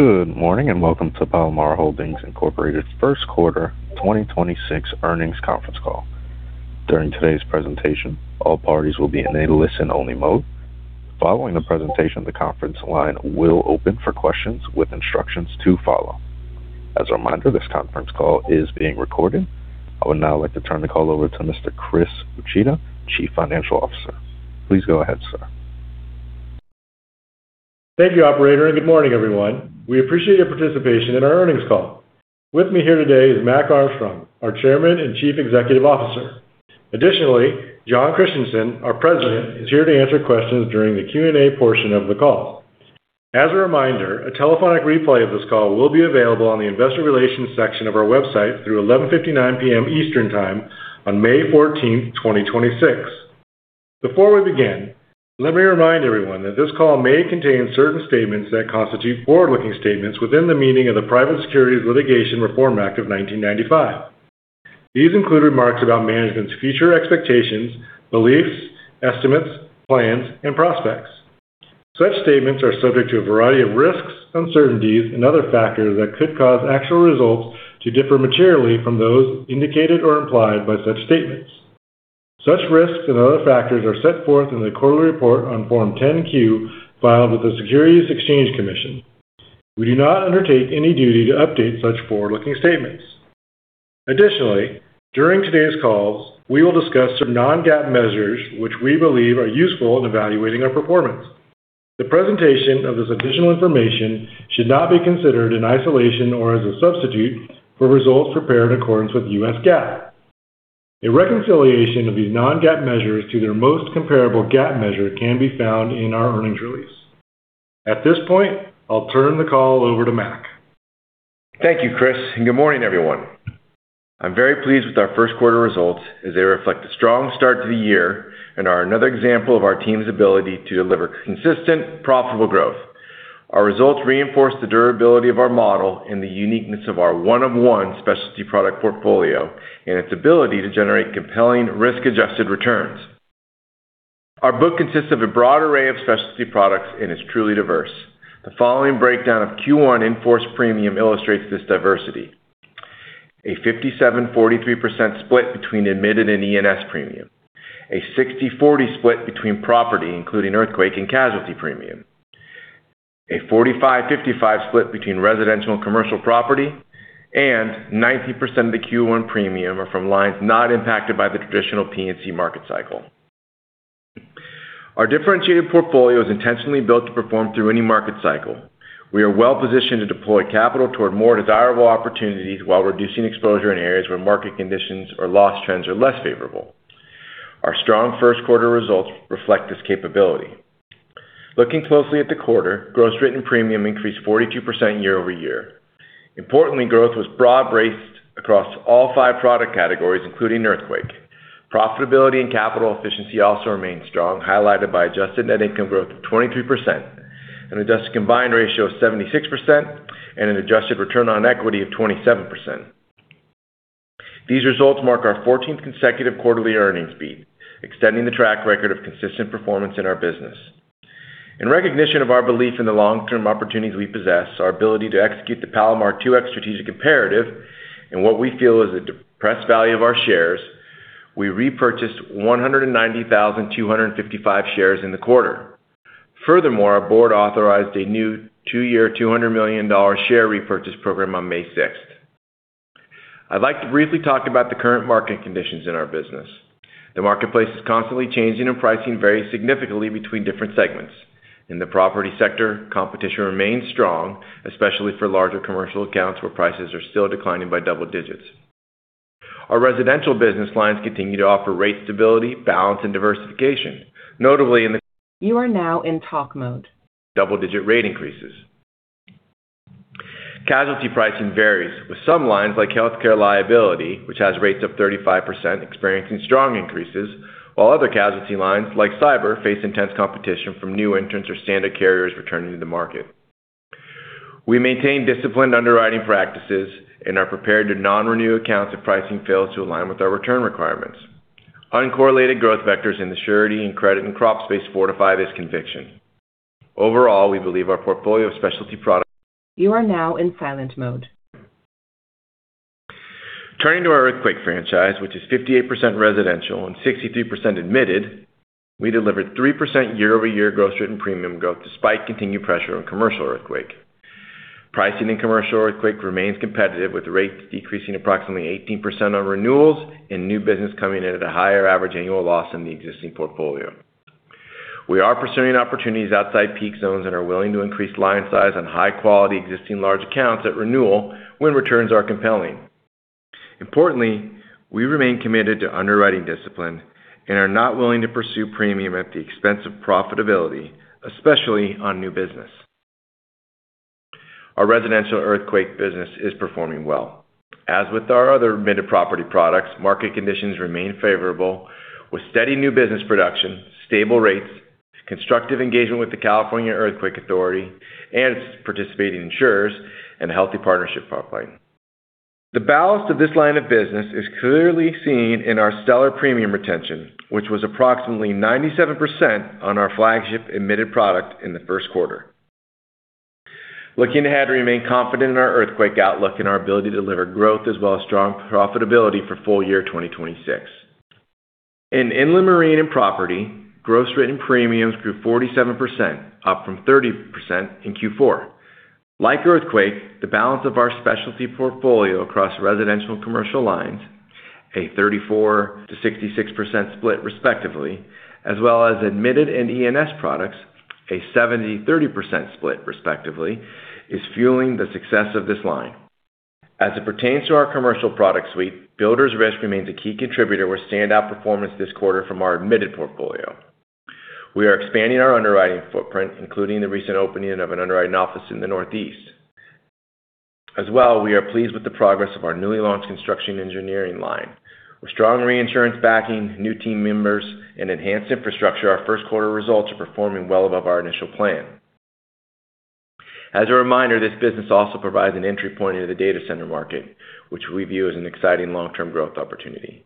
Good morning, and Welcome to Palomar Holdings, Inc. first quarter 2026 earnings conference call. During today's presentation, all parties will be in a listen-only mode. Following the presentation, the conference line will open for questions with instructions to follow. As a reminder, this conference call is being recorded. I would now like to turn the call over to Mr. Chris Uchida, Chief Financial Officer. Please go ahead, sir. Thank you, operator. Good morning, everyone. We appreciate your participation in our earnings call. With me here today is Mac Armstrong, our Chairman and Chief Executive Officer. Additionally, Jon Christianson, our President, is here to answer questions during the Q&A portion of the call. As a reminder, a telephonic replay of this call will be available on the investor relations section of our website through 11:59 P.M. Eastern Time on May 14th, 2026. Before we begin, let me remind everyone that this call may contain certain statements that constitute forward-looking statements within the meaning of the Private Securities Litigation Reform Act of 1995. These include remarks about management's future expectations, beliefs, estimates, plans, and prospects. Such statements are subject to a variety of risks, uncertainties, and other factors that could cause actual results to differ materially from those indicated or implied by such statements. Such risks and other factors are set forth in the quarterly report on Form 10-Q filed with the Securities and Exchange Commission. We do not undertake any duty to update such forward-looking statements. Additionally, during today's calls, we will discuss some non-GAAP measures which we believe are useful in evaluating our performance. The presentation of this additional information should not be considered in isolation or as a substitute for results prepared in accordance with U.S. GAAP. A reconciliation of these non-GAAP measures to their most comparable GAAP measure can be found in our earnings release. At this point, I'll turn the call over to Mac. Thank you, Chris, and good morning, everyone. I'm very pleased with our first quarter results as they reflect a strong start to the year and are another example of our team's ability to deliver consistent, profitable growth. Our results reinforce the durability of our model and the uniqueness of our one of one specialty product portfolio and its ability to generate compelling risk-adjusted returns. Our book consists of a broad array of specialty products and is truly diverse. The following breakdown of Q1 enforced premium illustrates this diversity. A 57.43% split between admitted and E&S premium. A 60/40 split between property, including earthquake and casualty premium. A 45/55 split between residential and commercial property, and 90% of the Q1 premium are from lines not impacted by the traditional P&C market cycle. Our differentiated portfolio is intentionally built to perform through any market cycle. We are well-positioned to deploy capital toward more desirable opportunities while reducing exposure in areas where market conditions or loss trends are less favorable. Our strong 1st quarter results reflect this capability. Looking closely at the quarter, gross written premium increased 42% year-over-year. Importantly, growth was broad-based across all five product categories, including earthquake. Profitability and capital efficiency also remained strong, highlighted by adjusted net income growth of 23%, an adjusted combined ratio of 76%, and an adjusted return on equity of 27%. These results mark our 14th consecutive quarterly earnings beat, extending the track record of consistent performance in our business. In recognition of our belief in the long-term opportunities we possess, our ability to execute the Palomar 2x strategic imperative, and what we feel is the depressed value of our shares, we repurchased 190,255 shares in the quarter. Furthermore, our board authorized a new two-year, $200 million share repurchase program on May 6, 2026. I'd like to briefly talk about the current market conditions in our business. The marketplace is constantly changing, and pricing varies significantly between different segments. In the property sector, competition remains strong, especially for larger commercial accounts where prices are still declining by double digits. Our residential business lines continue to offer rate stability, balance, and diversification, notably in the- You are now in talk mode. Double-digit rate increases. Casualty pricing varies with some lines like healthcare liability, which has rates of 35% experiencing strong increases, while other casualty lines like cyber face intense competition from new entrants or standard carriers returning to the market. We maintain disciplined underwriting practices and are prepared to non-renew accounts if pricing fails to align with our return requirements. Uncorrelated growth vectors in the surety and credit and crop space fortify this conviction. Overall, we believe our portfolio of specialty products. You are now in silent mode. Turning to our earthquake franchise, which is 58% residential and 63% admitted, we delivered 3% year-over-year gross written premium growth despite continued pressure on commercial earthquake. Pricing in commercial earthquake remains competitive, with rates decreasing approximately 18% on renewals and new business coming in at a higher average annual loss than the existing portfolio. We are pursuing opportunities outside peak zones and are willing to increase line size on high-quality existing large accounts at renewal when returns are compelling. Importantly, we remain committed to underwriting discipline and are not willing to pursue premium at the expense of profitability, especially on new business. Our residential earthquake business is performing well. As with our other admitted property products, market conditions remain favorable with steady new business production, stable rates, constructive engagement with the California Earthquake Authority and its participating insurers, and a healthy partnership pipeline. The balance of this line of business is clearly seen in our stellar premium retention, which was approximately 97% on our flagship admitted product in the first quarter. Looking ahead, we remain confident in our earthquake outlook and our ability to deliver growth as well as strong profitability for full year 2026. In inland marine and property, gross written premiums grew 47%, up from 30% in Q4. Like earthquake, the balance of our specialty portfolio across residential and commercial lines, a 34%-66% split respectively, as well as admitted and E&S products, a 70.30% split respectively, is fueling the success of this line. As it pertains to our commercial product suite, builders risk remains a key contributor with standout performance this quarter from our admitted portfolio. We are expanding our underwriting footprint, including the recent opening of an underwriting office in the Northeast. As well, we are pleased with the progress of our newly launched construction engineering line. With strong reinsurance backing, new team members, and enhanced infrastructure, our first quarter results are performing well above our initial plan. As a reminder, this business also provides an entry point into the data center market, which we view as an exciting long-term growth opportunity.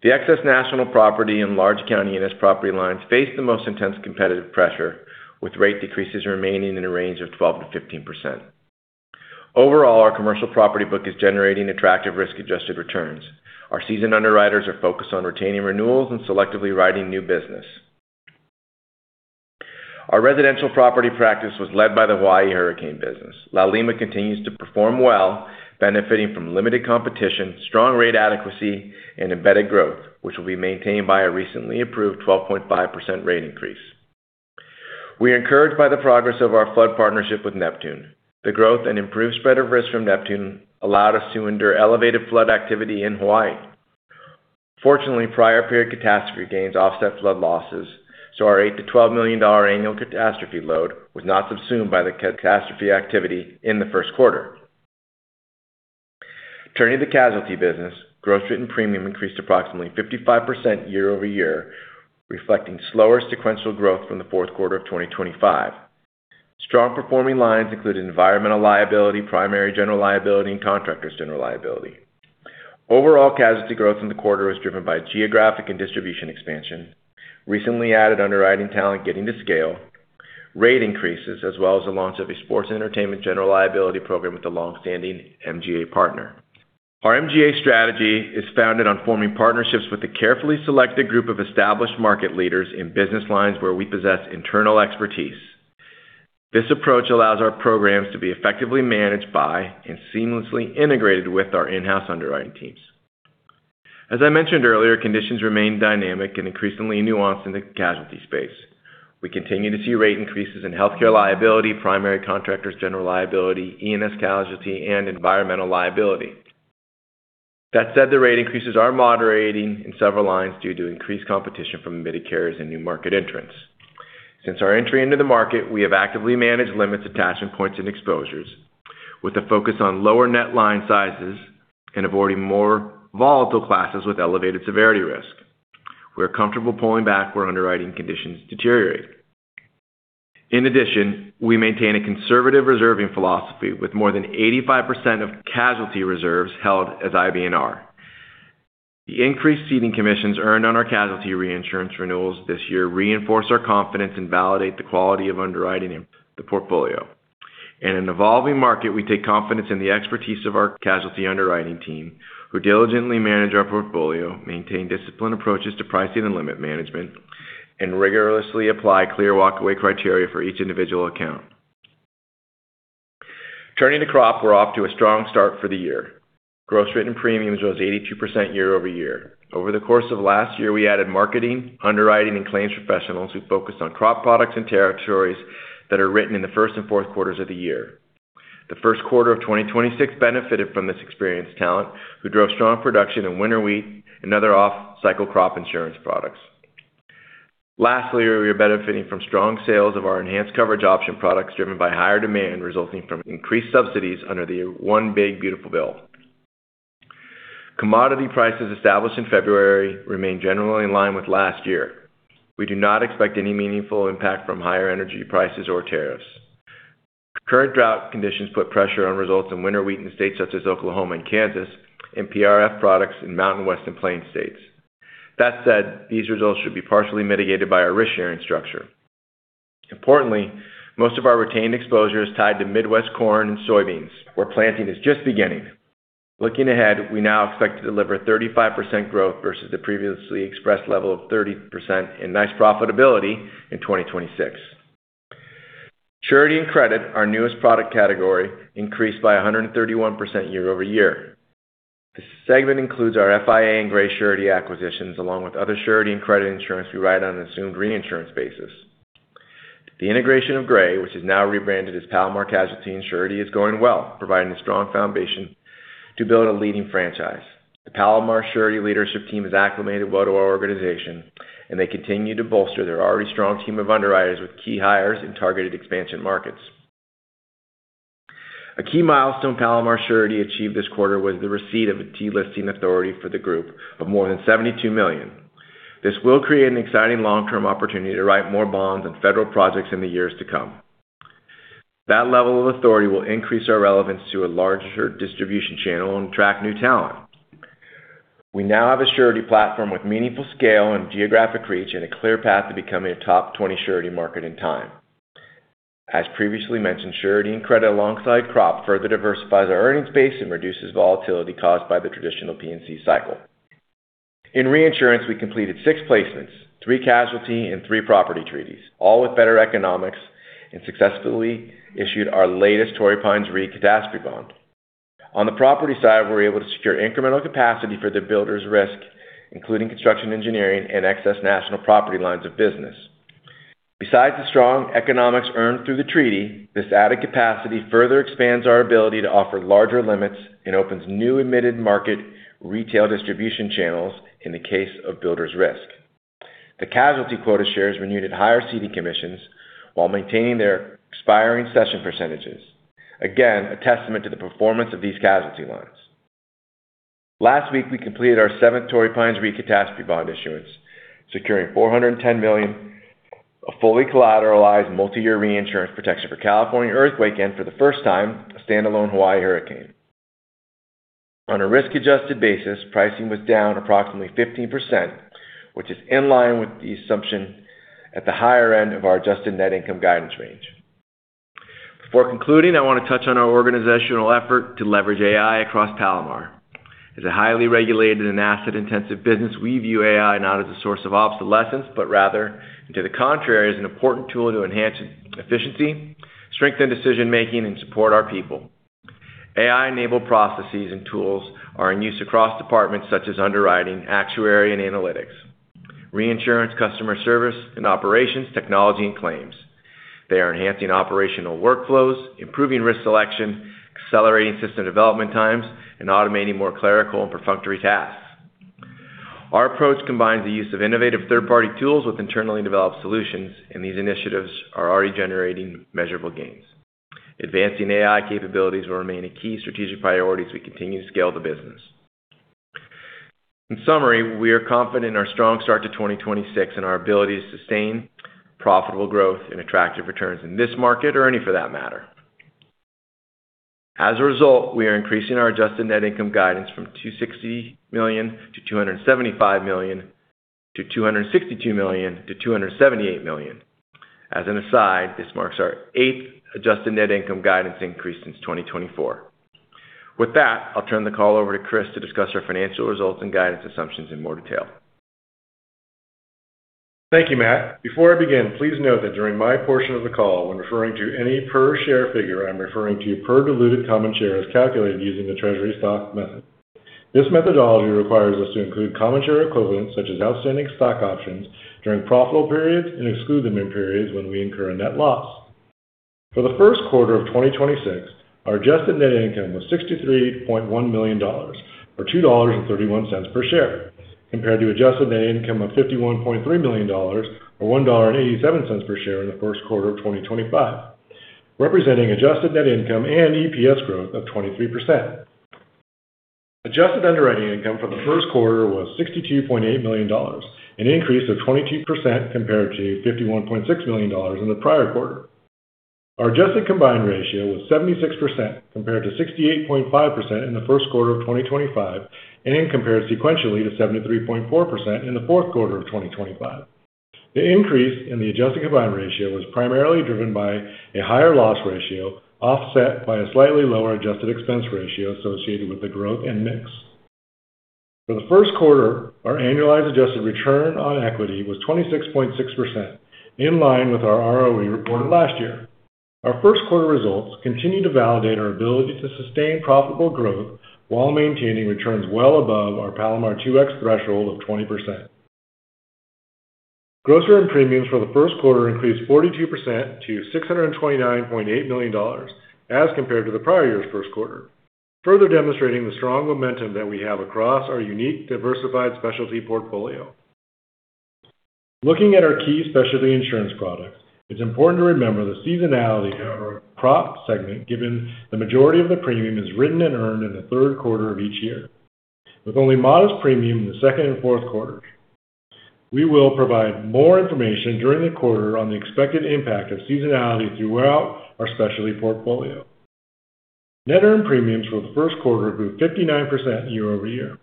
The excess national property and large county E&S property lines face the most intense competitive pressure, with rate decreases remaining in a range of 12%-15%. Overall, our commercial property book is generating attractive risk-adjusted returns. Our seasoned underwriters are focused on retaining renewals and selectively writing new business. Our residential property practice was led by the Hawaii hurricane business. Laulima Exchange continues to perform well, benefiting from limited competition, strong rate adequacy, and embedded growth, which will be maintained by a recently approved 12.5% rate increase. We are encouraged by the progress of our flood partnership with Neptune. The growth and improved spread of risk from Neptune allowed us to endure elevated flood activity in Hawaii. Fortunately, prior period catastrophe gains offset flood losses, so our $8 million-$12 million annual catastrophe load was not subsumed by the catastrophe activity in the first quarter. Turning to the casualty business, gross written premium increased approximately 55% year-over-year, reflecting slower sequential growth from the fourth quarter of 2025. Strong performing lines included environmental liability, primary general liability, and contractors general liability. Overall casualty growth in the quarter was driven by geographic and distribution expansion, recently added underwriting talent getting to scale, rate increases, as well as the launch of a sports and entertainment general liability program with a long-standing MGA partner. Our MGA strategy is founded on forming partnerships with a carefully selected group of established market leaders in business lines where we possess internal expertise. This approach allows our programs to be effectively managed by and seamlessly integrated with our in-house underwriting teams. As I mentioned earlier, conditions remain dynamic and increasingly nuanced in the casualty space. We continue to see rate increases in healthcare liability, primary contractors general liability, E&S casualty, and environmental liability. That said, the rate increases are moderating in several lines due to increased competition from admitted carriers and new market entrants. Since our entry into the market, we have actively managed limits, attachment points, and exposures with a focus on lower net line sizes and avoiding more volatile classes with elevated severity risk. We are comfortable pulling back where underwriting conditions deteriorate. In addition, we maintain a conservative reserving philosophy with more than 85% of casualty reserves held as IBNR. The increased ceding commissions earned on our casualty reinsurance renewals this year reinforce our confidence and validate the quality of underwriting in the portfolio. In an evolving market, we take confidence in the expertise of our casualty underwriting team, who diligently manage our portfolio, maintain disciplined approaches to pricing and limit management, and rigorously apply clear walkaway criteria for each individual account. Turning to crop, we're off to a strong start for the year. Gross written premiums rose 82% year-over-year. Over the course of last year, we added marketing, underwriting, and claims professionals who focused on crop products and territories that are written in the first and fourth quarters of the year. The first quarter of 2026 benefited from this experienced talent, who drove strong production in winter wheat and other off-cycle crop insurance products. We are benefiting from strong sales of our enhanced coverage option products driven by higher demand resulting from increased subsidies under the One Big Beautiful Bill. Commodity prices established in February remain generally in line with last year. We do not expect any meaningful impact from higher energy prices or tariffs. Current drought conditions put pressure on results in winter wheat in states such as Oklahoma and Kansas and PRF products in Mountain West and Plains states. These results should be partially mitigated by our risk-sharing structure. Importantly, most of our retained exposure is tied to Midwest corn and soybeans, where planting is just beginning. Looking ahead, we now expect to deliver 35% growth versus the previously expressed level of 30% and nice profitability in 2026. Surety and credit, our newest product category, increased by 131% year-over-year. This segment includes our FIA and Gray Surety acquisitions, along with other surety and credit insurance we write on an assumed reinsurance basis. The integration of Gray, which is now rebranded as Palomar Casualty and Surety, is going well, providing a strong foundation to build a leading franchise. The Palomar Surety leadership team has acclimated well to our organization, and they continue to bolster their already strong team of underwriters with key hires in targeted expansion markets. A key milestone Palomar Surety achieved this quarter was the receipt of a T-listing authority for the group of more than $72 million. This will create an exciting long-term opportunity to write more bonds and federal projects in the years to come. That level of authority will increase our relevance to a larger distribution channel and attract new talent. We now have a surety platform with meaningful scale and geographic reach, and a clear path to becoming a top 20 surety market in time. As previously mentioned, surety and credit alongside crop further diversifies our earnings base and reduces volatility caused by the traditional P&C cycle. In reinsurance, we completed six placements, three casualty and three property treaties, all with better economics, and successfully issued our latest Torrey Pines Re catastrophe bond. On the property side, we were able to secure incremental capacity for the builder's risk, including construction engineering and excess national property lines of business. Besides the strong economics earned through the treaty, this added capacity further expands our ability to offer larger limits and opens new admitted market retail distribution channels in the case of builder's risk. The casualty quota shares renewed at higher ceding commissions while maintaining their expiring session percentages. A testament to the performance of these casualty lines. Last week, we completed our seventh Torrey Pines Re catastrophe bond issuance, securing $410 million of fully collateralized multi-year reinsurance protection for California earthquake and for the first time, a standalone Hawaii hurricane. On a risk-adjusted basis, pricing was down approximately 15%, which is in line with the assumption at the higher end of our adjusted net income guidance range. Before concluding, I want to touch on our organizational effort to leverage AI across Palomar. As a highly regulated and asset-intensive business, we view AI not as a source of obsolescence, but rather, to the contrary, as an important tool to enhance efficiency, strengthen decision-making, and support our people. AI-enabled processes and tools are in use across departments such as underwriting, actuary and analytics, reinsurance, customer service and operations, technology, and claims. They are enhancing operational workflows, improving risk selection, accelerating system development times, and automating more clerical and perfunctory tasks. Our approach combines the use of innovative third-party tools with internally developed solutions. These initiatives are already generating measurable gains. Advancing AI capabilities will remain a key strategic priority as we continue to scale the business. In summary, we are confident in our strong start to 2026 and our ability to sustain profitable growth and attractive returns in this market or any for that matter. We are increasing our adjusted net income guidance from $260 million-$275 million to $262 million-$278 million. As an aside, this marks our eighth adjusted net income guidance increase since 2024. With that, I'll turn the call over to Chris to discuss our financial results and guidance assumptions in more detail. Thank you, Mac. Before I begin, please note that during my portion of the call, when referring to any per share figure, I'm referring to per diluted common share as calculated using the treasury stock method. This methodology requires us to include common share equivalents, such as outstanding stock options, during profitable periods and exclude them in periods when we incur a net loss. For the first quarter of 2026, our adjusted net income was $63.1 million, or $2.31 per share, compared to adjusted net income of $51.3 million or $1.87 per share in the first quarter of 2025, representing adjusted net income and EPS growth of 23%. Adjusted underwriting income for the first quarter was $62.8 million, an increase of 22% compared to $51.6 million in the prior quarter. Our adjusted combined ratio was 76% compared to 68.5% in the first quarter of 2025, compared sequentially to 73.4% in the fourth quarter of 2025. The increase in the adjusted combined ratio was primarily driven by a higher loss ratio, offset by a slightly lower adjusted expense ratio associated with the growth and mix. For the first quarter, our annualized adjusted return on equity was 26.6%, in line with our ROE reported last year. Our first quarter results continue to validate our ability to sustain profitable growth while maintaining returns well above our Palomar 2X threshold of 20%. Gross earn premiums for the first quarter increased 42% to $629.8 million as compared to the prior year's first quarter, further demonstrating the strong momentum that we have across our unique, diversified specialty portfolio. Looking at our key specialty insurance products, it's important to remember the seasonality of our crop segment, given the majority of the premium is written and earned in the third quarter of each year, with only modest premium in the second and fourth quarters. We will provide more information during the quarter on the expected impact of seasonality throughout our specialty portfolio. Net earned premiums for the first quarter grew 59% year-over-year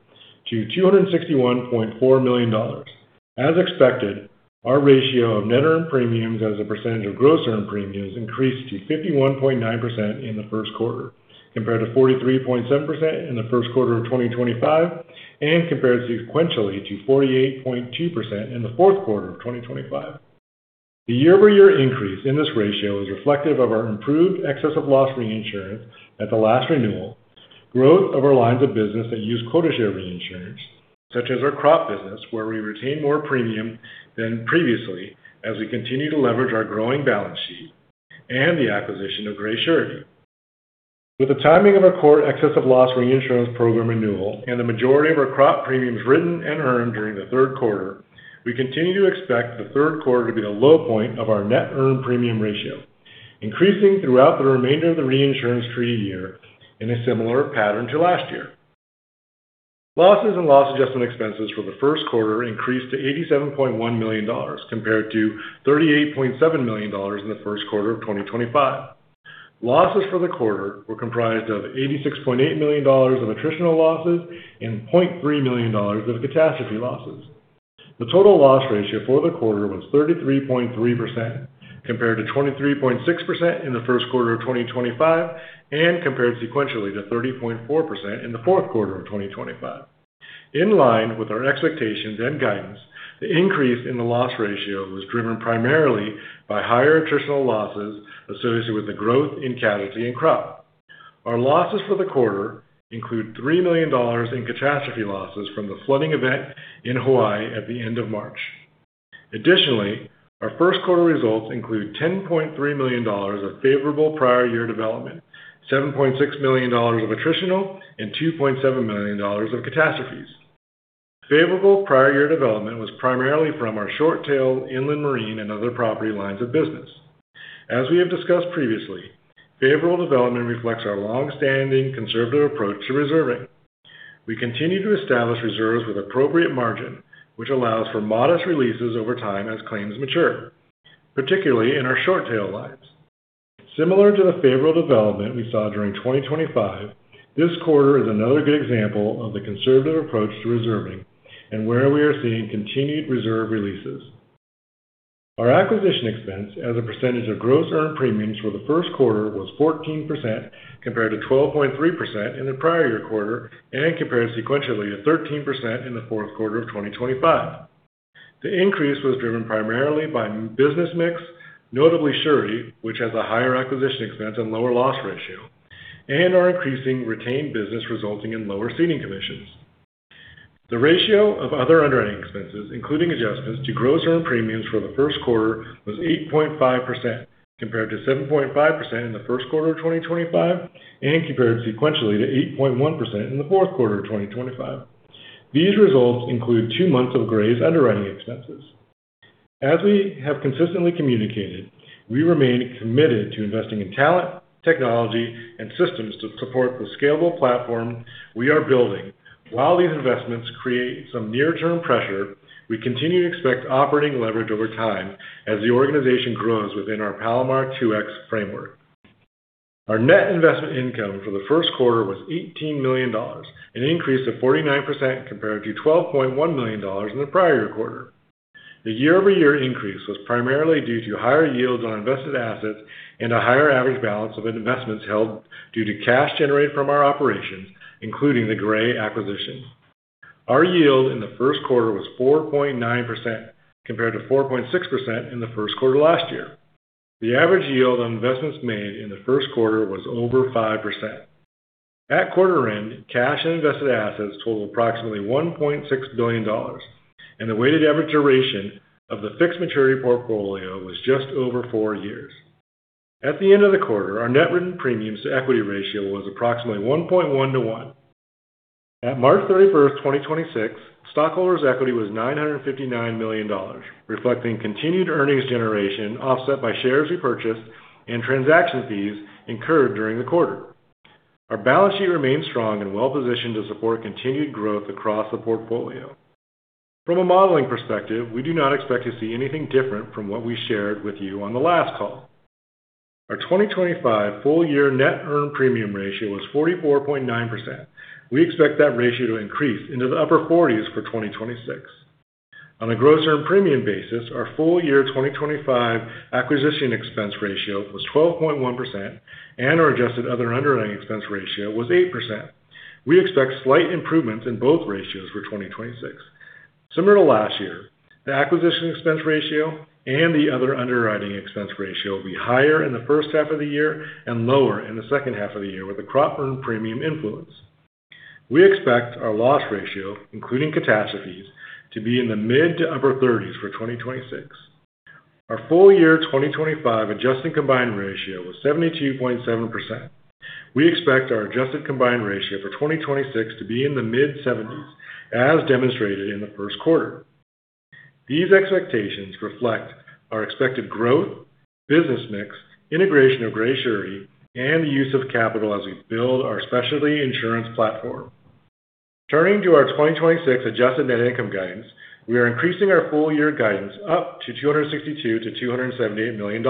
to $261.4 million. As expected, our ratio of net earned premiums as a percentage of gross earned premiums increased to 51.9% in the first quarter, compared to 43.7% in the first quarter of 2025, and compared sequentially to 48.2% in the fourth quarter of 2025. The year-over-year increase in this ratio is reflective of our improved excess of loss reinsurance at the last renewal, growth of our lines of business that use quota share reinsurance, such as our crop business, where we retain more premium than previously as we continue to leverage our growing balance sheet, and the acquisition of Gray Surety. With the timing of our core excess of loss reinsurance program renewal and the majority of our crop premiums written and earned during the third quarter, we continue to expect the third quarter to be the low point of our net earned premium ratio. Increasing throughout the remainder of the reinsurance treaty year in a similar pattern to last year. Losses and loss adjustment expenses for the first quarter increased to $87.1 million compared to $38.7 million in the first quarter of 2025. Losses for the quarter were comprised of $86.8 million of attritional losses and $0.3 million of catastrophe losses. The total loss ratio for the quarter was 33.3% compared to 23.6% in the first quarter of 2025, and compared sequentially to 30.4% in the fourth quarter of 2025. In line with our expectations and guidance, the increase in the loss ratio was driven primarily by higher attritional losses associated with the growth in casualty and crop. Our losses for the quarter include $3 million in catastrophe losses from the flooding event in Hawaii at the end of March. Additionally, our first quarter results include $10.3 million of favorable prior year development, $7.6 million of attritional, and $2.7 million of catastrophes. Favorable prior year development was primarily from our short tail inland marine and other property lines of business. As we have discussed previously, favorable development reflects our long-standing conservative approach to reserving. We continue to establish reserves with appropriate margin, which allows for modest releases over time as claims mature, particularly in our short tail lines. Similar to the favorable development we saw during 2025, this quarter is another good example of the conservative approach to reserving and where we are seeing continued reserve releases. Our acquisition expense as a percentage of gross earned premiums for the first quarter was 14% compared to 12.3% in the prior year quarter and compared sequentially to 13% in the fourth quarter of 2025. The increase was driven primarily by business mix, notably surety, which has a higher acquisition expense and lower loss ratio, and our increasing retained business resulting in lower ceding commissions. The ratio of other underwriting expenses, including adjustments to gross earned premiums for the first quarter, was 8.5% compared to 7.5% in the first quarter of 2025 and compared sequentially to 8.1% in the fourth quarter of 2025. These results include two months of Gray's underwriting expenses. As we have consistently communicated, we remain committed to investing in talent, technology, and systems to support the scalable platform we are building. While these investments create some near-term pressure, we continue to expect operating leverage over time as the organization grows within our Palomar 2X framework. Our net investment income for the first quarter was $18 million, an increase of 49% compared to $12.1 million in the prior quarter. The year-over-year increase was primarily due to higher yields on invested assets and a higher average balance of investments held due to cash generated from our operations, including the Gray acquisitions. Our yield in the first quarter was 4.9% compared to 4.6% in the first quarter last year. The average yield on investments made in the first quarter was over 5%. At quarter end, cash and invested assets totaled approximately $1.6 billion, and the weighted average duration of the fixed maturity portfolio was just over four years. At the end of the quarter, our net written premiums to equity ratio was approximately 1.1 to 1. At March 31st, 2026, stockholders' equity was $959 million, reflecting continued earnings generation offset by shares repurchased and transaction fees incurred during the quarter. Our balance sheet remains strong and well-positioned to support continued growth across the portfolio. From a modeling perspective, we do not expect to see anything different from what we shared with you on the last call. Our 2025 full year net earned premium ratio was 44.9%. We expect that ratio to increase into the upper 40s for 2026. On a gross earned premium basis, our full year 2025 acquisition expense ratio was 12.1% and our adjusted other underwriting expense ratio was 8%. We expect slight improvements in both ratios for 2026. Similar to last year, the acquisition expense ratio and the other underwriting expense ratio will be higher in the first half of the year and lower in the second half of the year with the crop earned premium influence. We expect our loss ratio, including catastrophes, to be in the mid- to upper 30s for 2026. Our full year 2025 adjusted combined ratio was 72.7%. We expect our adjusted combined ratio for 2026 to be in the mid-70s, as demonstrated in the first quarter. These expectations reflect our expected growth, business mix, integration of Gray Surety, and the use of capital as we build our specialty insurance platform. Turning to our 2026 adjusted net income guidance, we are increasing our full year guidance up to $262 million-$278 million.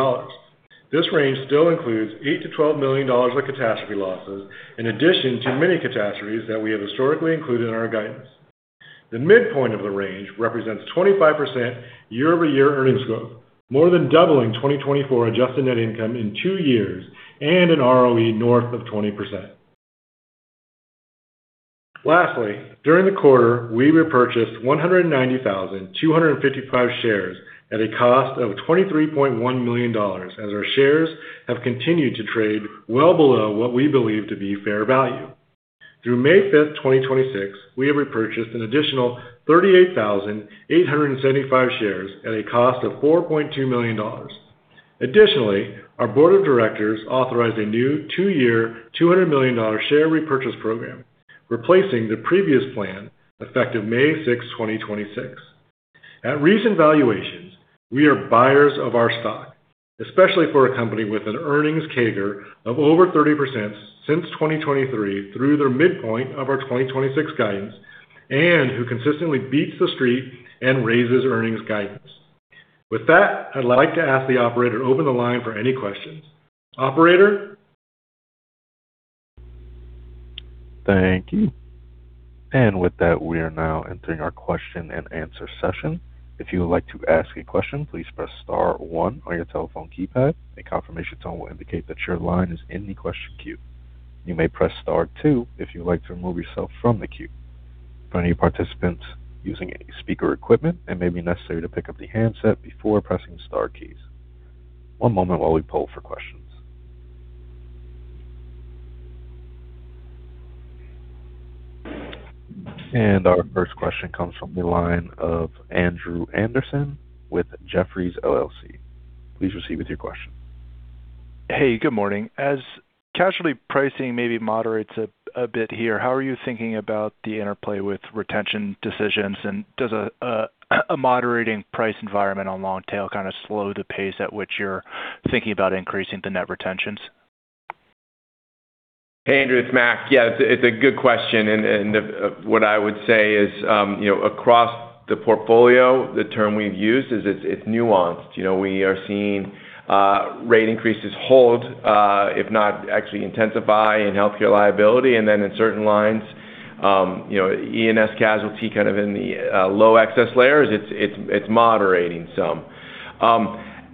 This range still includes $8 million-$12 million of catastrophe losses in addition to many catastrophes that we have historically included in our guidance. The midpoint of the range represents 25% year-over-year earnings growth, more than doubling 2024 adjusted net income in two years and an ROE north of 20%. Lastly, during the quarter, we repurchased 190,255 shares at a cost of $23.1 million as our shares have continued to trade well below what we believe to be fair value. Through May 5th, 2026, we have repurchased an additional 38,875 shares at a cost of $4.2 million. Additionally, our board of directors authorized a new two-year, $200 million share repurchase program, replacing the previous plan effective May 6, 2026. At recent valuations, we are buyers of our stock, especially for a company with an earnings CAGR of over 30% since 2023 through their midpoint of our 2026 guidance, and who consistently beats The Street and raises earnings guidance. With that, I'd like to ask the operator to open the line for any questions. Operator? Thank you. With that, we are now entering our question-and-answer session. If you would like to ask a question, please press star one on your telephone keypad the confirmation tone will indicated your line is in the question queue you may press star two if you would like to move yourself from the queue. Any participants using speaker equipment and may not pick up the handset before pressing the star keys. One moment while we poll for questions. Our first question comes from the line of Andrew Andersen with Jefferies LLC. Please proceed with your question. Hey, good morning. As casualty pricing maybe moderates a bit here, how are you thinking about the interplay with retention decisions? Does a moderating price environment on long tail kind of slow the pace at which you're thinking about increasing the net retentions? Hey, Andrew, it's Mac. Yeah, it's a good question. What I would say is, you know, across the portfolio, the term we've used is it's nuanced. You know, we are seeing rate increases hold, if not actually intensify in healthcare liability. In certain lines, you know, E&S casualty kind of in the low excess layers, it's moderating some.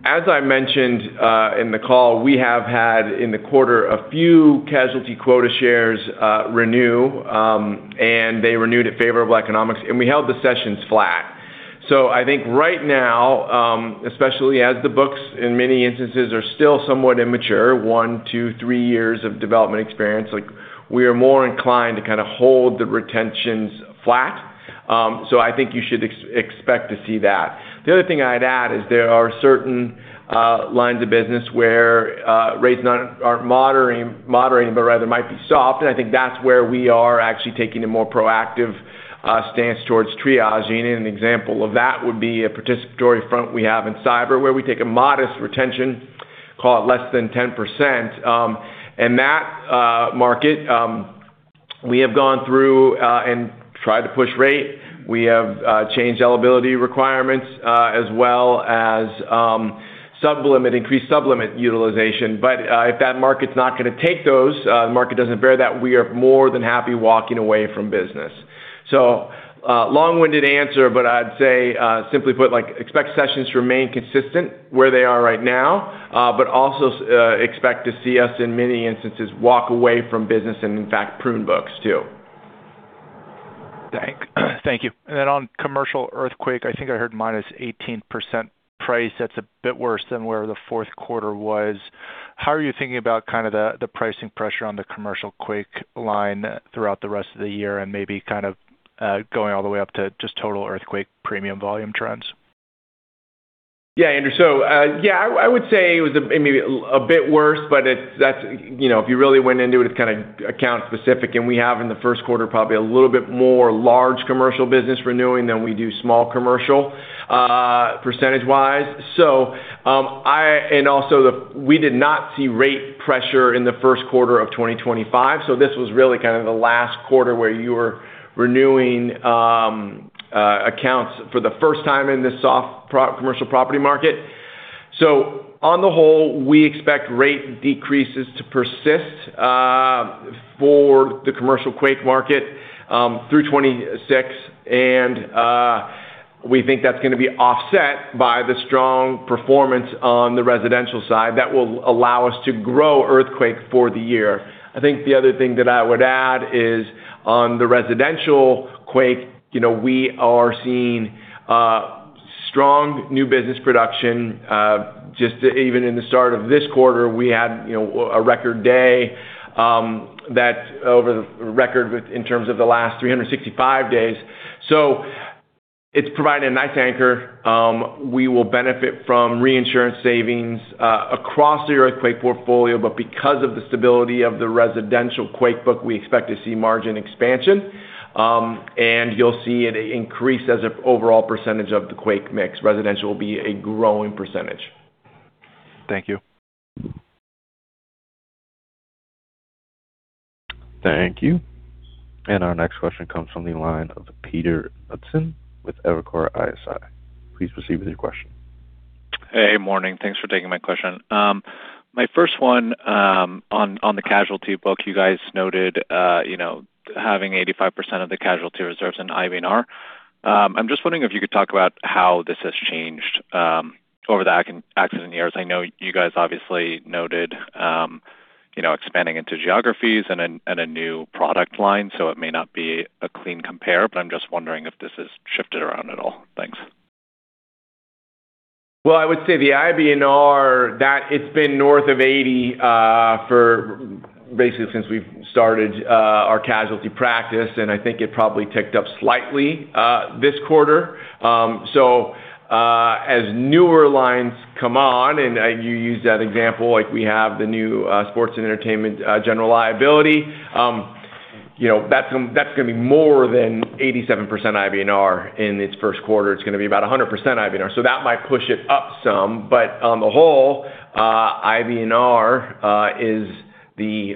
As I mentioned in the call, we have had in the quarter a few casualty quota shares renew, and they renewed at favorable economics, and we held the sessions flat. I think right now, especially as the books in many instances are still somewhat immature, one, two, three years of development experience, like we are more inclined to kind of hold the retentions flat. I think you should expect to see that. The other thing I'd add is there are certain lines of business where rates aren't moderating, but rather might be soft. I think that's where we are actually taking a more proactive stance towards triaging. An example of that would be a participatory front we have in cyber, where we take a modest retention, call it less than 10%, in that market, we have gone through and tried to push rate. We have changed eligibility requirements, as well as increased sub-limit utilization. If that market's not gonna take those, the market doesn't bear that, we are more than happy walking away from business. Long-winded answer, but I'd say, simply put, like expect sessions to remain consistent where they are right now, but also expect to see us in many instances walk away from business and in fact prune books too. Thank you. Then on commercial earthquake, I think I heard -18% price. That's a bit worse than where the fourth quarter was. How are you thinking about kind of the pricing pressure on the commercial quake line throughout the rest of the year and maybe kind of going all the way up to just total earthquake premium volume trends? Andrew Andersen, I would say it was a bit worse, but that's, you know, if you really went into it's kind of account specific. We have in the first quarter probably a little bit more large commercial business renewing than we do small commercial, percentage wise. Also, we did not see rate pressure in the first quarter of 2025, this was really kind of the last quarter where you were renewing accounts for the first time in this soft commercial property market. On the whole, we expect rate decreases to persist for the commercial quake market through 2026. We think that's gonna be offset by the strong performance on the residential side that will allow us to grow earthquake for the year. I think the other thing that I would add is on the residential quake, you know, we are seeing strong new business production. Just even in the start of this quarter, we had, you know, a record day that over the record in terms of the last 365 days. It's provided a nice anchor. We will benefit from reinsurance savings across the earthquake portfolio, but because of the stability of the residential quake book, we expect to see margin expansion. You'll see it increase as an overall percentage of the quake mix. Residential will be a growing percentage. Thank you. Thank you. Our next question comes from the line of Peter Hudson with Evercore ISI. Please proceed with your question. Hey. Morning. Thanks for taking my question. My first one, on the casualty book, you guys noted, you know, having 85% of the casualty reserves in IBNR. I'm just wondering if you could talk about how this has changed over the years. I know you guys obviously noted, you know, expanding into geographies and a new product line, so it may not be a clean compare, but I'm just wondering if this has shifted around at all. Thanks. I would say the IBNR, that it's been north of 80%or basically since we've started our casualty practice, and I think it probably ticked up slightly this quarter. As newer lines come on, and you used that example, like we have the new sports and entertainment general liability. You know, that's gonna be more than 87% IBNR in its first quarter. It's gonna be about 100% IBNR. That might push it up some, but on the whole, IBNR is the,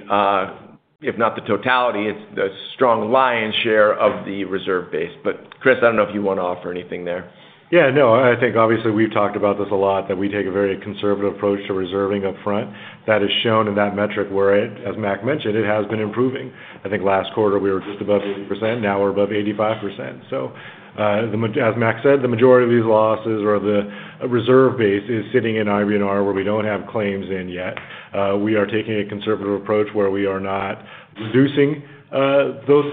if not the totality, it's the strong lion's share of the reserve base. Chris, I don't know if you wanna offer anything there. I think obviously we've talked about this a lot, that we take a very conservative approach to reserving upfront. That is shown in that metric where it, as Mac mentioned, it has been improving. I think last quarter we were just above 80%, now we're above 85%. As Mac said, the majority of these losses or the reserve base is sitting in IBNR where we don't have claims in yet. We are taking a conservative approach where we are not reducing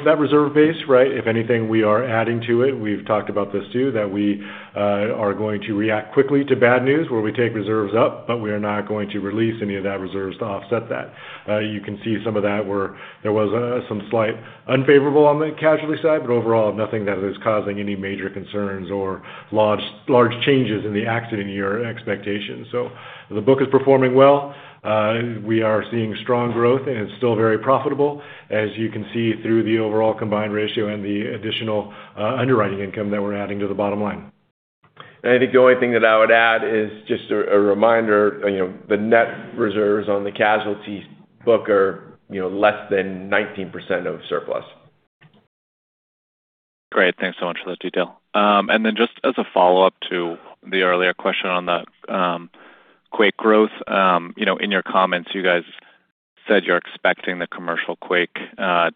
that reserve base, right? If anything, we are adding to it. We've talked about this too, that we are going to react quickly to bad news where we take reserves up, but we are not going to release any of that reserves to offset that. You can see some of that where there was some slight unfavorable on the casualty side, but overall, nothing that is causing any major concerns or large changes in the accident year expectations. The book is performing well. We are seeing strong growth, and it's still very profitable, as you can see through the overall combined ratio and the additional underwriting income that we're adding to the bottom line. I think the only thing that I would add is just a reminder, you know, the net reserves on the casualty book are, you know, less than 19% of surplus. Great. Thanks so much for the detail. Just as a follow-up to the earlier question on the quake growth, you know, in your comments, you guys said you're expecting the commercial quake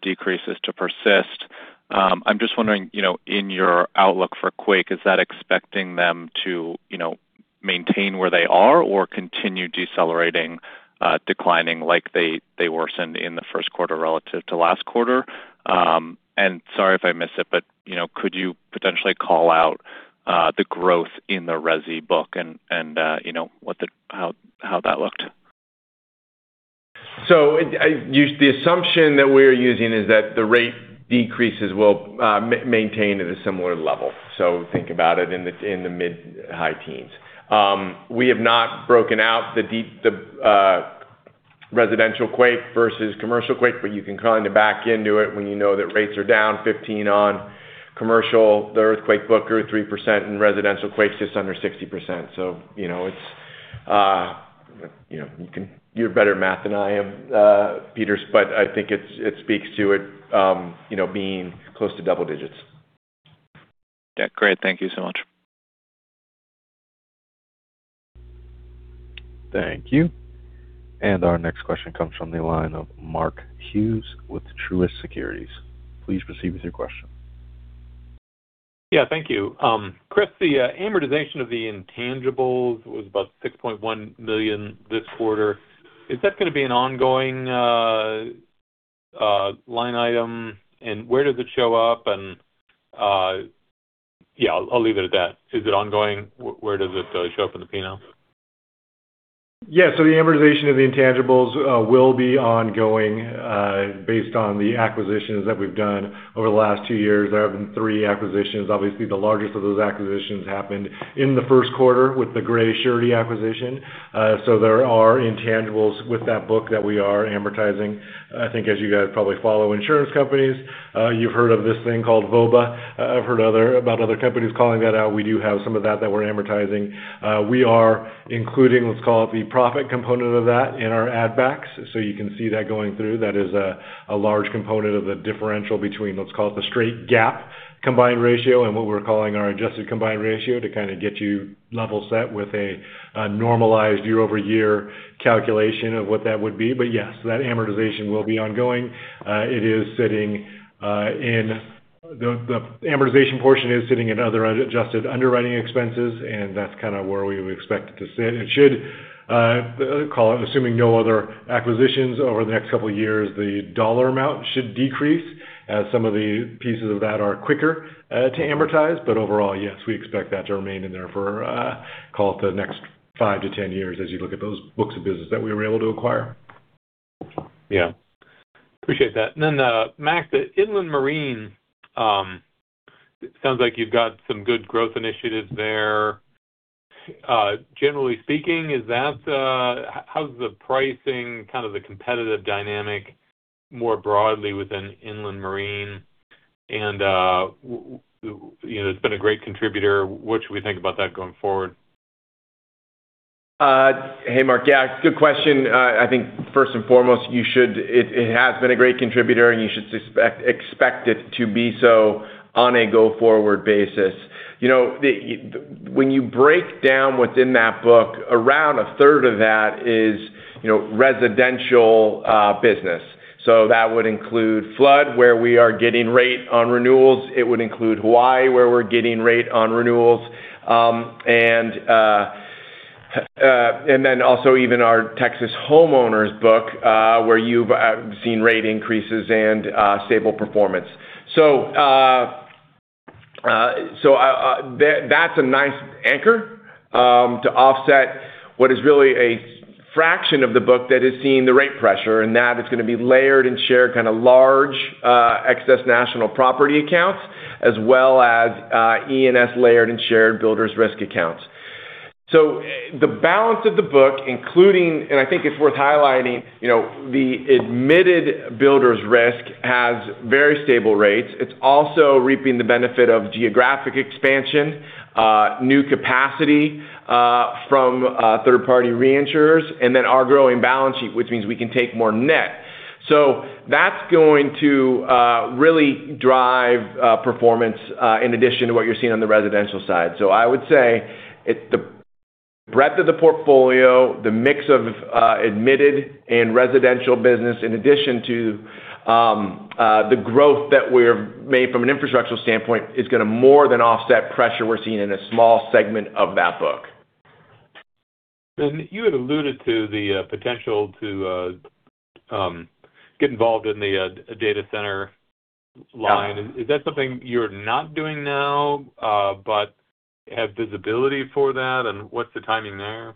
decreases to persist. I'm just wondering, you know, in your outlook for quake, is that expecting them to, you know, maintain where they are or continue decelerating, declining like they were send in the first quarter relative to last quarter? Sorry if I missed it, but, you know, could you potentially call out the growth in the residential book and, you know, how that looked? The assumption that we're using is that the rate decreases will maintain at a similar level. Think about it in the mid high teens. We have not broken out the residential quake versus commercial quake, but you can kind of back into it when you know that rates are down 15 on commercial. The earthquake book are 3%, and residential quake's just under 60%. You know, you're better at math than I am, Peter, but I think it speaks to it, you know, being close to double digits. Yeah, great. Thank you so much. Thank you. Our next question comes from the line of Mark Hughes with Truist Securities. Please proceed with your question. Yeah, thank you. Chris, the amortization of the intangibles was about $6.1 million this quarter. Is that gonna be an ongoing line item? Where does it show up? Yeah, I'll leave it at that. Is it ongoing? Where does it show up in the P&L? Yeah. The amortization of the intangibles will be ongoing, based on the acquisitions that we've done over the last two years. There have been three acquisitions. Obviously, the largest of those acquisitions happened in the first quarter with the Gray Surety acquisition. There are intangibles with that book that we are amortizing. I think as you guys probably follow insurance companies, you've heard of this thing called VOBA. I've heard about other companies calling that out. We do have some of that we're amortizing. We are including, let's call it, the profit component of that in our add backs. You can see that going through. That is a large component of the differential between, let's call it, the straight GAAP combined ratio and what we're calling our adjusted combined ratio to kind of get you level set with a normalized year-over-year calculation of what that would be. Yes, that amortization will be ongoing. It is sitting in the amortization portion is sitting in other adjusted underwriting expenses, and that's kind of where we would expect it to sit. It should, call it, assuming no other acquisitions over the next couple of years, the dollar amount should decrease as some of the pieces of that are quicker to amortize. Overall, yes, we expect that to remain in there for, call it the next five to 10 years as you look at those books of business that we were able to acquire. Yeah. Appreciate that. Mac, the inland marine, sounds like you've got some good growth initiatives there. Generally speaking, how's the pricing, kind of the competitive dynamic more broadly within inland marine? You know, it's been a great contributor. What should we think about that going forward? Hey, Mark. Yeah, good question. I think first and foremost, it has been a great contributor, and you should expect it to be so on a go-forward basis. You know, when you break down within that book, around a third of that is, you know, residential business. So that would include flood, where we are getting rate on renewals. It would include Hawaii, where we're getting rate on renewals. Then also even our Texas homeowners book, where you've seen rate increases and stable performance. That's a nice anchor to offset what is really a fraction of the book that is seeing the rate pressure, and that is gonna be layered and shared kind of large, excess national property accounts, as well as E&S layered and shared builders risk accounts. The balance of the book, including, and I think it's worth highlighting, you know, the admitted builder's risk has very stable rates. It's also reaping the benefit of geographic expansion, new capacity from third-party reinsurers, and then our growing balance sheet, which means we can take more net. That's going to really drive performance in addition to what you're seeing on the residential side. I would say the breadth of the portfolio, the mix of admitted and residential business, in addition to the growth that we have made from an infrastructural standpoint, is gonna more than offset pressure we're seeing in a small segment of that book. You had alluded to the potential to get involved in the data center line. Yeah. Is that something you're not doing now, but have visibility for that? What's the timing there?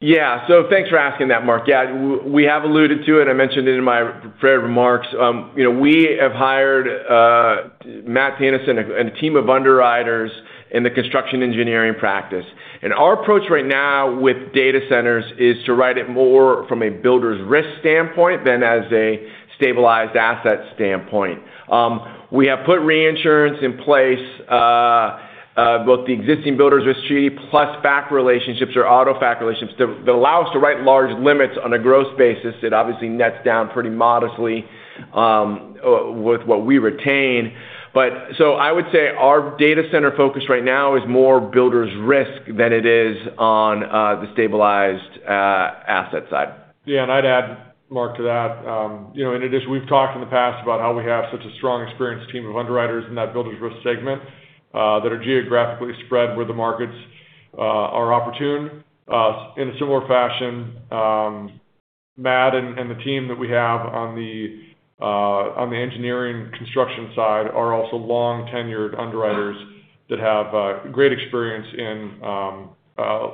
Yeah. Thanks for asking that, Mark Hughes. Yeah, we have alluded to it. I mentioned it in my prepared remarks. You know, we have hired Matt Tannous and a team of underwriters in the construction engineering practice. Our approach right now with data centers is to write it more from a builder's risk standpoint than as a stabilized asset standpoint. We have put reinsurance in place, both the existing builders risk treaty plus FAC relationships or auto FAC relationships that allow us to write large limits on a gross basis that obviously nets down pretty modestly with what we retain. I would say our data center focus right now is more builder's risk than it is on the stabilized asset side. I'd add, Mark, to that, you know, in addition, we've talked in the past about how we have such a strong experienced team of underwriters in that builder's risk segment that are geographically spread where the markets are opportune. In a similar fashion, Matt and the team that we have on the engineering construction side are also long-tenured underwriters that have great experience in,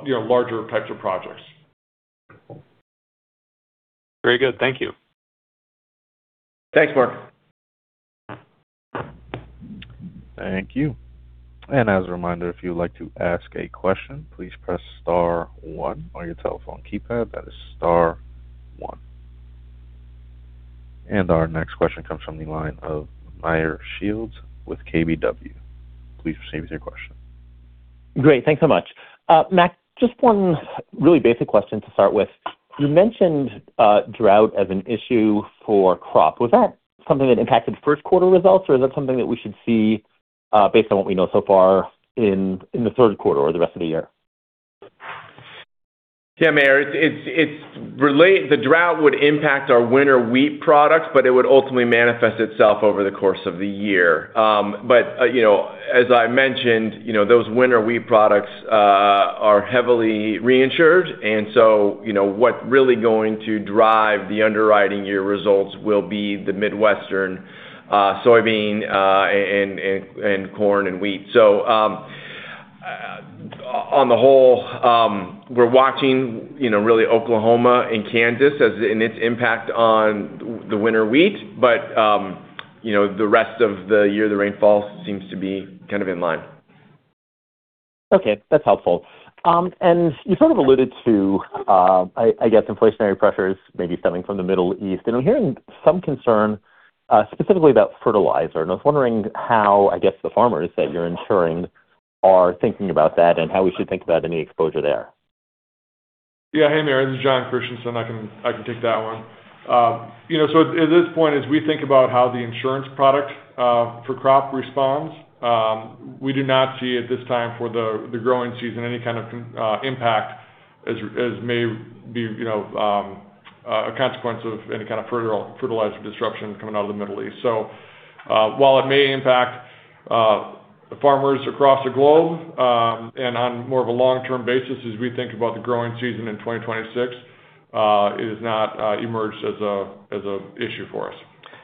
you know, larger types of projects. Very good. Thank you. Thanks, Mark. Thank you. As a reminder, if you would like to ask a question, please press star one on your telephone keypad. That is star one. Our next question comes from the line of Meyer Shields with Keefe, Bruyette & Woods. Please proceed with your question. Great. Thanks so much. Mac, just one really basic question to start with. You mentioned drought as an issue for crop. Was that something that impacted first quarter results, or is that something that we should see based on what we know so far in the third quarter or the rest of the year? Yeah, Meyer, the drought would impact our winter wheat products, but it would ultimately manifest itself over the course of the year. You know, as I mentioned, you know, those winter wheat products are heavily reinsured. You know, what really going to drive the underwriting year results will be the Midwestern soybean and corn and wheat. On the whole, we're watching, you know, really Oklahoma and Kansas and its impact on the winter wheat. You know, the rest of the year, the rainfall seems to be kind of in line. Okay. That's helpful. You sort of alluded to inflationary pressures maybe stemming from the Middle East. I'm hearing some concern specifically about fertilizer, and I was wondering how the farmers that you're insuring are thinking about that and how we should think about any exposure there. Yeah. Hey, Meyer, this is Jon Christianson. I can take that one. you know, at this point, as we think about how the insurance product for crop responds, we do not see at this time for the growing season any kind of impact as may be, you know, a consequence of any kind of fertilizer disruption coming out of the Middle East. While it may impact farmers across the globe, and on more of a long-term basis as we think about the growing season in 2026, it has not emerged as a issue for us.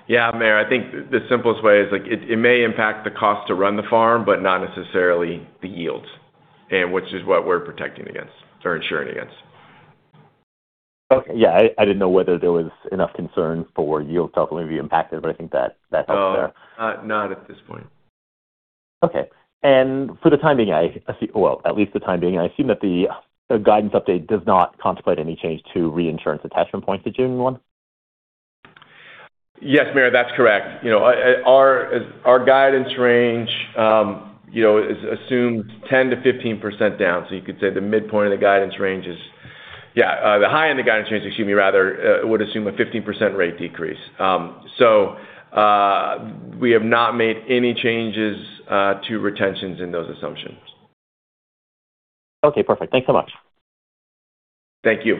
Yeah, Meyer, I think the simplest way is, like, it may impact the cost to run the farm, but not necessarily the yields, which is what we're protecting against or insuring against. Okay. Yeah, I didn't know whether there was enough concern for yields to ultimately be impacted, but I think that helps there. Oh, not at this point. Okay. for the time being, Well, at least for the time being, I assume that the guidance update does not contemplate any change to reinsurance attachment points to June 1, 2026? Yes, Meyer, that's correct. You know, our guidance range, you know, is assumed 10%-15% down. You could say the midpoint of the guidance range is Yeah, the high end of the guidance range, excuse me, rather, would assume a 15% rate decrease. We have not made any changes to retentions in those assumptions. Okay, perfect. Thanks so much. Thank you.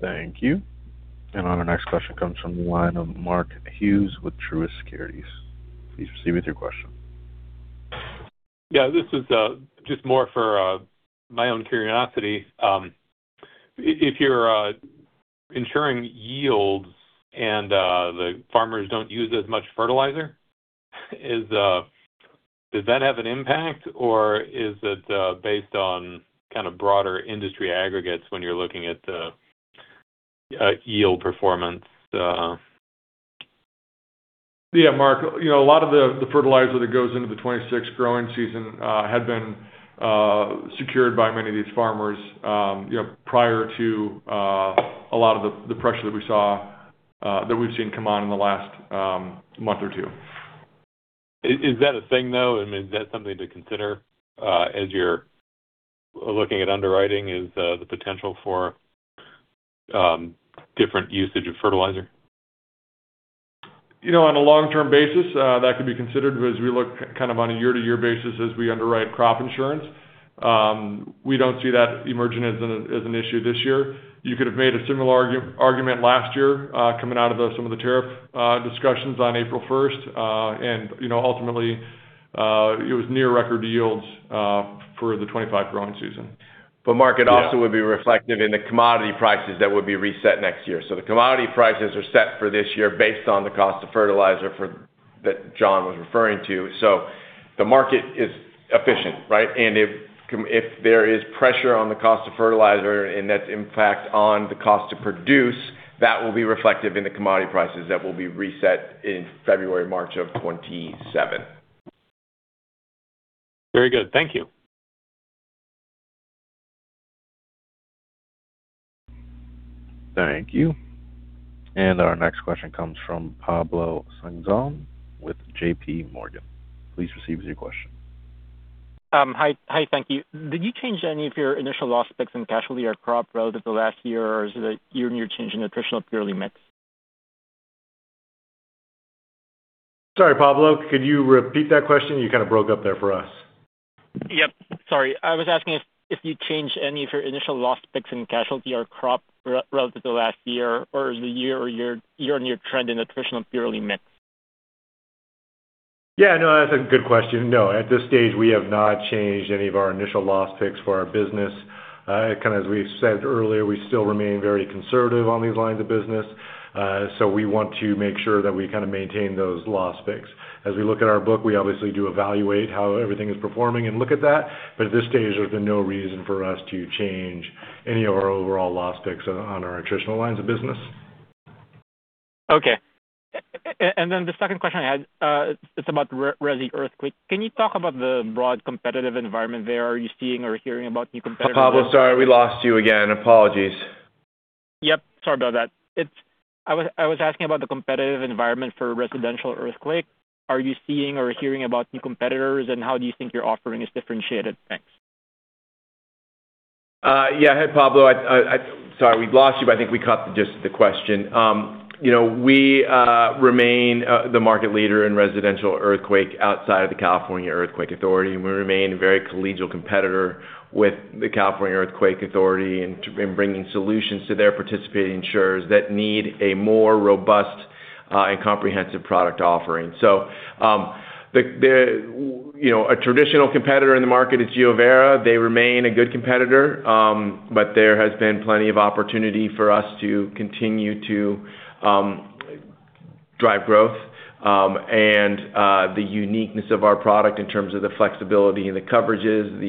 Thank you. Our next question comes from the line of Mark Hughes with Truist Securities. Please proceed with your question. This is just more for my own curiosity. If you're insuring yields and the farmers don't use as much fertilizer, does that have an impact, or is it based on kind of broader industry aggregates when you're looking at yield performance? Yeah, Mark, you know, a lot of the fertilizer that goes into the 2026 growing season, had been secured by many of these farmers, you know, prior to a lot of the pressure that we saw, that we've seen come on in the last month or two. Is that a thing, though? I mean, is that something to consider, as you're looking at underwriting, is the potential for different usage of fertilizer? You know, on a long-term basis, that could be considered as we look kind of on a year-to-year basis as we underwrite crop insurance. We don't see that emerging as an issue this year. You could have made a similar argument last year, coming out of some of the tariff discussions on April 1st, 2026. You know, ultimately, it was near record yields for the 2025 growing season. Mark, it also would be reflective in the commodity prices that would be reset next year. The commodity prices are set for this year based on the cost of fertilizer for that Jon Christianson was referring to. The market is efficient, right? If there is pressure on the cost of fertilizer, and that's impact on the cost to produce, that will be reflective in the commodity prices that will be reset in February, March of 2027. Very good. Thank you. Thank you. Our next question comes from Pablo Singzon with JPMorgan. Please proceed with your question. Hi, thank you. Did you change any of your initial loss picks in casualty or crop relative to last year, or is it a year-on-year change in attritional purely mix? Sorry, Pablo, could you repeat that question? You kind of broke up there for us. Yep, sorry. I was asking if you changed any of your initial loss picks in casualty or crop re-relative to last year, or is it year-on-year trend in attritional purely mix? Yeah, no, that's a good question. At this stage, we have not changed any of our initial loss picks for our business. Kind of as we said earlier, we still remain very conservative on these lines of business, we want to make sure that we kind of maintain those loss picks. As we look at our book, we obviously do evaluate how everything is performing and look at that, at this stage, there's been no reason for us to change any of our overall loss picks on our attritional lines of business. Okay. The second question I had, it's about residential earthquake. Can you talk about the broad competitive environment there? Are you seeing or hearing about new competitors? Pablo, sorry, we lost you again. Apologies. Yep, sorry about that. I was asking about the competitive environment for residential earthquake. Are you seeing or hearing about new competitors, and how do you think your offering is differentiated? Thanks. Yeah. Hey, Pablo Singzon. Sorry we lost you, but I think we caught the gist of the question. You know, we remain the market leader in residential earthquake outside of the California Earthquake Authority, and we remain a very collegial competitor with the California Earthquake Authority in bringing solutions to their participating insurers that need a more robust and comprehensive product offering. You know, a traditional competitor in the market is GeoVera. They remain a good competitor, but there has been plenty of opportunity for us to continue to drive growth, and the uniqueness of our product in terms of the flexibility and the coverages,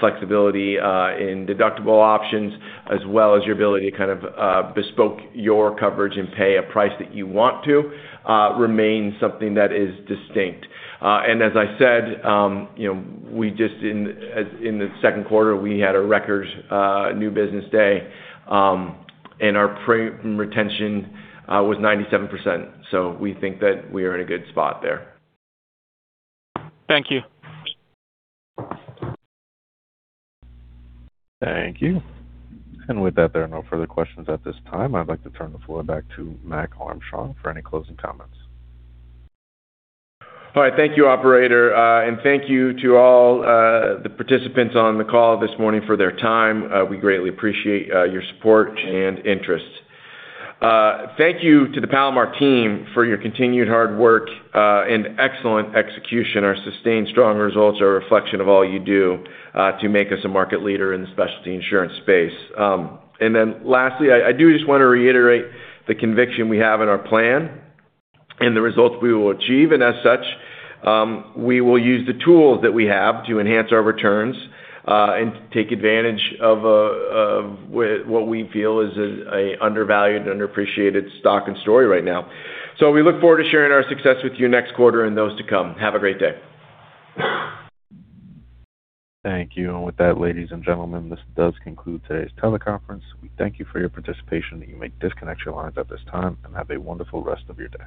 flexibility in deductible options, as well as your ability to kind of bespoke your coverage and pay a price that you want to, remains something that is distinct. As I said, you know, we just in the second quarter, we had a record new business day, and our premium retention was 97%, we think that we are in a good spot there. Thank you. Thank you. With that, there are no further questions at this time. I'd like to turn the floor back to Mac Armstrong for any closing comments. All right. Thank you, operator. Thank you to all the participants on the call this morning for their time. We greatly appreciate your support and interest. Thank you to the Palomar team for your continued hard work and excellent execution. Our sustained strong results are a reflection of all you do to make us a market leader in the specialty insurance space. Lastly, I do just want to reiterate the conviction we have in our plan and the results we will achieve. As such, we will use the tools that we have to enhance our returns and take advantage of what we feel is a undervalued and underappreciated stock and story right now. We look forward to sharing our success with you next quarter and those to come. Have a great day. Thank you. With that, ladies and gentlemen, this does conclude today's teleconference. We thank you for your participation. You may disconnect your lines at this time and have a wonderful rest of your day.